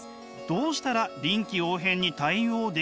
どうしたら臨機応変に対応できますか？」。